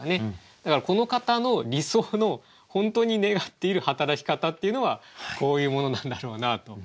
だからこの方の理想の本当に願っている働き方っていうのはこういうものなんだろうなと。